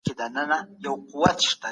ما د خلګو له پاره د عدالت غوښتنه وکړه.